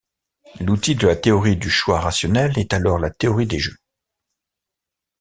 L’outil de la théorie du choix rationnel est alors la théorie des jeux.